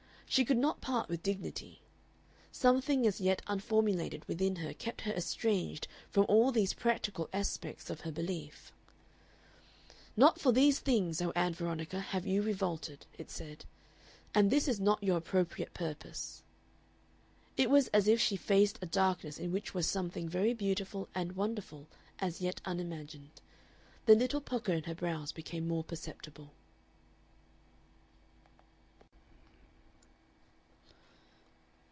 She could not part with dignity. Something as yet unformulated within her kept her estranged from all these practical aspects of her beliefs. "Not for these things, O Ann Veronica, have you revolted," it said; "and this is not your appropriate purpose." It was as if she faced a darkness in which was something very beautiful and wonderful as yet unimagined. The little pucker in her brows became more perceptible.